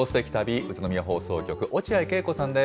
宇都宮放送局、落合慶子さんです。